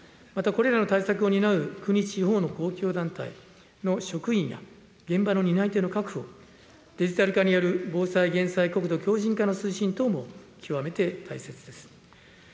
またこれらの対策を担う国・地方の公共団体の職員や現場の担い手の確保、デジタル化による防災・減災、国土強じん化の推進等も極めて大切です。